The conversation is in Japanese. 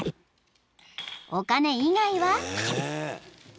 ［お金以外は］